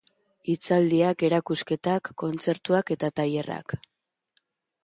Hitzaldiak, erakusketak, kontzertuak eta tailerrak.